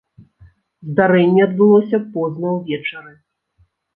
Здарэнне адбылося позна ўвечары.